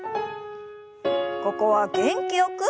ここは元気よく。